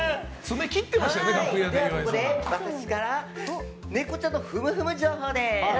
ではここで私からネコちゃんのふむふむ情報です。